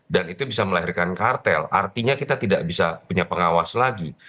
dan itu bisa melahirkan kartel artinya kita tidak bisa punya pengawas lagi